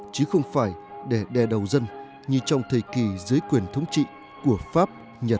chứ không phải để đe đầu dân như trong thời kỳ giới quyền thống trị của pháp nhật